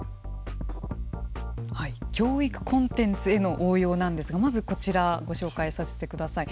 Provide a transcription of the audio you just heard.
教育コンテンツへの応用なんですがまず、こちらご紹介させてください。